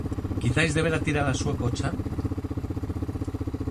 ¿Quizais debera tira-la sueca ó chan?